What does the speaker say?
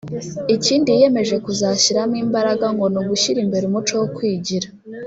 Ikindi yiyemeje kuzashyiramo imbaraga ngo ni ugushyira imbere umuco wo kwigira